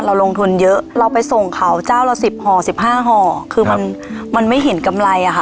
เราลงทุนเยอะเราไปส่งเขาเจ้าละสิบห่อสิบห้าห่อคือมันมันไม่เห็นกำไรอ่ะค่ะ